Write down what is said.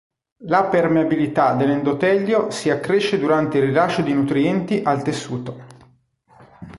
La permeabilità dell'endotelio si accresce durante il rilascio di nutrienti al tessuto.